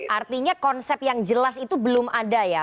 artinya konsep yang jelas itu belum ada ya